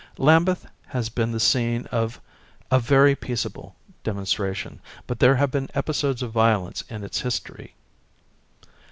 Lambeth has just been the scene of a very peaceable demonstration, but there have been episodes of violence in its history.